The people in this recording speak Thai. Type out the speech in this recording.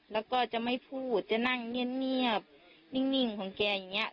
แล้วก็จะไม่พูดจะนั่งเงียบง่ายแบบนี้